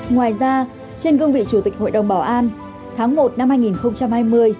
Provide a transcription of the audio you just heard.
ngoài ra trên gương vị chủ tịch hội đồng bảo an tháng một năm hai nghìn một mươi chín